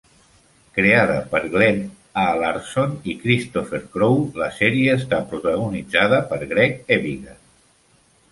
Creada per Glen A. Larson i Christopher Crowe, la sèrie està protagonitzada per Greg Evigan.